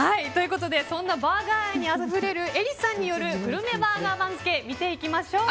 そんなバーガー愛にあふれるエリさんによるグルメバーガー見ていきましょう。